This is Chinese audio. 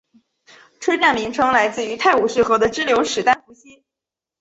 车站名称来自于泰晤士河的支流史丹佛溪。